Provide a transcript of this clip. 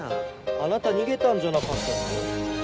あなたにげたんじゃなかったの？